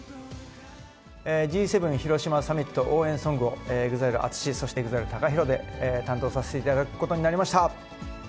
Ｇ７広島サミット応援ソングをＥＸＩＬＥ・ＡＴＳＵＳＨＩ、ＥＸＩＬＥ・ＴＡＫＡＨＩＲＯで担当させていただくことになりました。